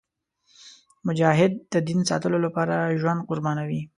مجاهد د دین ساتلو لپاره ژوند قربانوي.